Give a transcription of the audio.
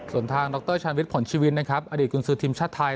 ส่วนทางดรชาญวิทย์ผลชีวินนะครับอดีตกุญสือทีมชาติไทย